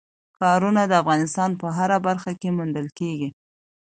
ښارونه د افغانستان په هره برخه کې موندل کېږي.